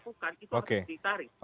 itu harus ditarik